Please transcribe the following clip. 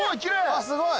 あっすごい。